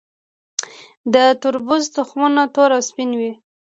د تربوز تخمونه تور او سپین وي.